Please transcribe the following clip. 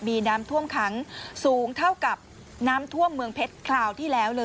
มีน้ำท่วมขังสูงเท่ากับน้ำท่วมเมืองเพชรคราวที่แล้วเลย